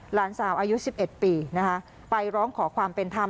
หลานสาวอายุ๑๑ปีนะคะไปร้องขอความเป็นธรรม